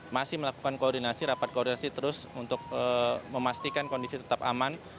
masih melakukan koordinasi rapat koordinasi terus untuk memastikan kondisi tetap aman